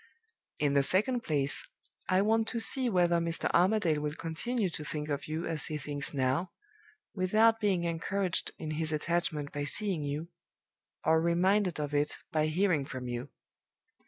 In the second place, I want to see whether Mr. Armadale will continue to think of you as he thinks now, without being encouraged in his attachment by seeing you, or reminded of it by hearing from you.